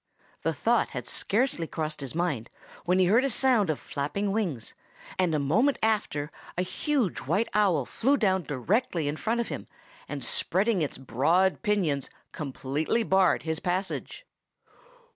The thought had scarcely crossed his mind, when he heard a sound of flapping wings; and a moment after a huge white owl flew down directly in front of him, and spreading its broad pinions, completely barred his passage.